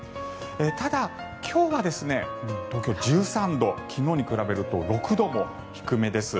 ただ、今日は東京、１３度昨日に比べると６度も低めです。